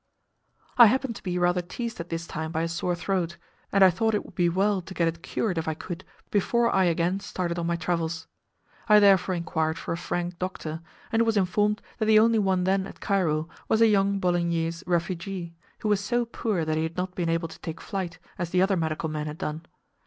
I happened to be rather teased at this time by a sore throat, and I thought it would be well to get it cured if I could before I again started on my travels. I therefore inquired for a Frank doctor, and was informed that the only one then at Cairo was a young Bolognese refugee, who was so poor that he had not been able to take flight, as the other medical men had done.